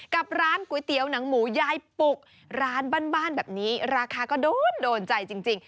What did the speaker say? กับร้านก๋วยเตี๋ยวหนังหมูยายปุกร้านบ้านแบบนี้ราคาก็โดนโดนใจจริง